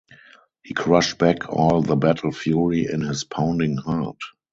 He crushed back all the battle-fury in his pounding heart.